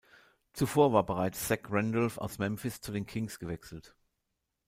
Zuvor war bereits Zach Randolph aus Memphis zu den Kings gewechselt.